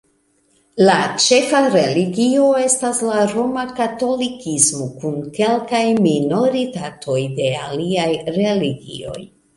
La ĉefa religio estas la Roma Katolikismo kun kelkaj minoritatoj de aliaj religioj.